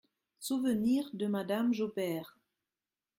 SOUVENIRS DE Madame JAUBERT.